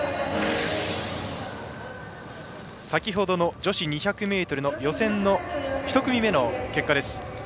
先ほどの女子２００ｍの予選の１組目の結果です。